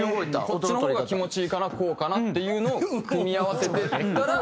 こっちの方が気持ちいいからこうかなっていうのを組み合わせていったら。